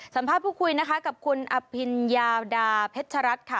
สัมภาษณ์พูดคุยนะคะกับคุณอภิญญาดาเพชรัตน์ค่ะ